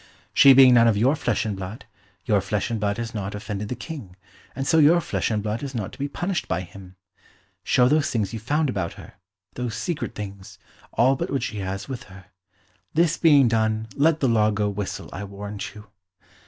"She being none of your flesh and blood, your flesh and blood has not offended the King, and so your flesh and blood is not to be punished by him. Show those things you found about her, those secret things, all but what she has with her. This being done, let the law go whistle, I warrant you."